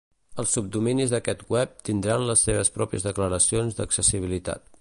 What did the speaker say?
Els subdominis d'aquest web tindran les seves pròpies declaracions d'accessibilitat.